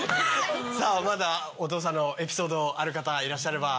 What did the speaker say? さぁまだお父さんのエピソードある方いらっしゃれば。